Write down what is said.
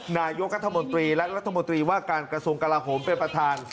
นายกรัฐมนตรีและรัฐมนตรีว่าการกระทรวงกลาโหมเป็นประธาน